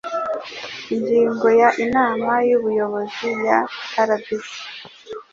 ingingo ya inama y ubuyobozi ya rbc